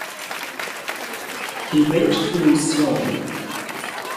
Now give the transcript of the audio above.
He read it through slowly.